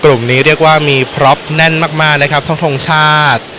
กลุ่มนี้เรียกว่ามีพร็อปแน่นมากนะครับทั้งทรงชาติ